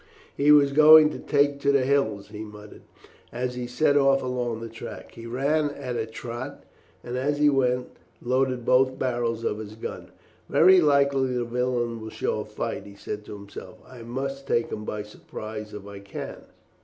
"He was going to take to the hills, he muttered," as he set off along the track. He ran at a trot, and as he went, loaded both barrels of his gun. "Very likely the villain will show fight," he said to himself; "I must take him by surprise if I can."